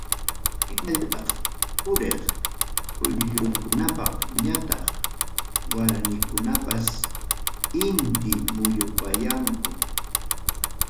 Hinallataq, puriq quyllurkunam ñataq waranikunapas intita muyupayanku.